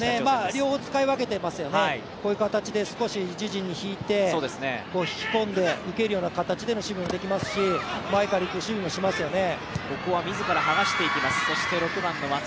両方使い分けてますよね、自陣に引いて受けるような形での守備もできますし、前からいく守備もしますよね。